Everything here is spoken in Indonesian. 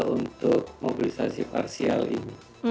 untuk mobilisasi parsial ini